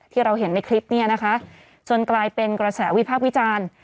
ที่เราเห็นในคลิปเนี่ยนะคะจนกลายเป็นกระแสวิพากษ์วิจารณ์